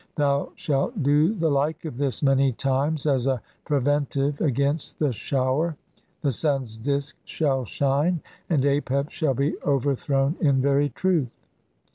Thou shalt do the "like of this many times as a preventive against the "shower, the sun's disk shall shine, and Apep shall be "overthrown in very truth."